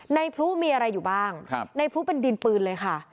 พลุมีอะไรอยู่บ้างในพลุเป็นดินปืนเลยค่ะ